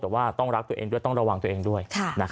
แต่ว่าต้องรักตัวเองด้วยต้องระวังตัวเองด้วย